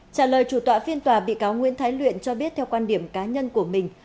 trả lời chủ tọa phiên tòa bị cáo nguyễn thái luyện cho biết theo quan điểm cá nhân của mình